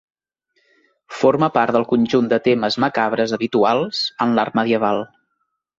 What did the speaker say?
Forma part del conjunt de temes macabres habituals en l'art medieval.